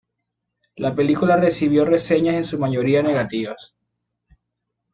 La película recibió reseñas en su mayoría negativas.